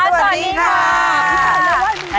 สวัสดีค่ะ